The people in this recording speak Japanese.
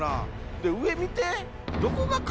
で上見て。